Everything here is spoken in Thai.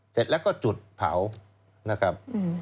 เสร็จแล้วก็จุดเผานะครับ